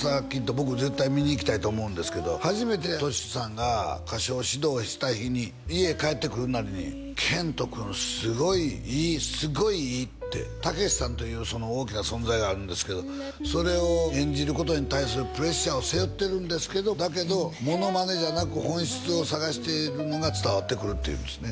僕絶対見に行きたいと思うんですけど初めてトッシュさんが歌唱指導した日に家帰ってくるなり「すごいいい」ってたけしさんというその大きな存在があるんですけどそれを演じることに対するプレッシャーを背負ってるんですけどだけどモノマネじゃなく本質を探しているのが伝わってくるっていうんですね